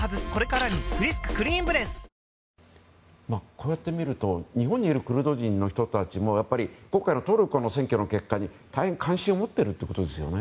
こうやって見ると日本にいるクルド人の人たちもやっぱり今回のトルコの選挙の結果に大変関心を持っているということですね。